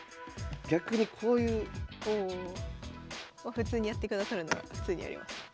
普通にやってくださるなら普通にやります。